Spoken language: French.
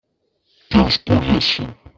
Quelle spoliation !